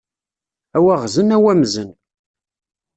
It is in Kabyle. A waɣzen a wamzen!